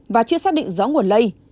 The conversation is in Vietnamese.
và chưa xác định rõ nguồn lây